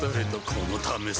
このためさ